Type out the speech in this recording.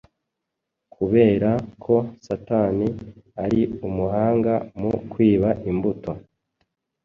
kubera ko Satani ari umuhanga mu kwiba imbuto.